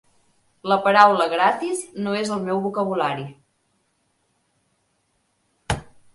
La paraula "gratis" no és al meu vocabulari.